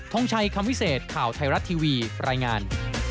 งชัยคำวิเศษข่าวไทยรัฐทีวีรายงาน